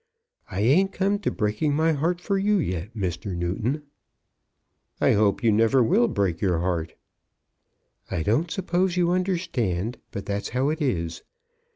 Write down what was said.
I ain't come to breaking my heart for you yet, Mr. Newton." "I hope you never will break your heart." "I don't suppose you understand, but that's how it is.